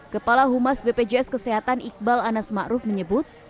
kepala humas bpjs kesehatan iqbal anas ma'ruf menyebut